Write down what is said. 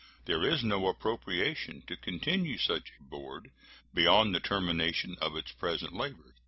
There is no appropriation to continue such a board beyond the termination of its present labors.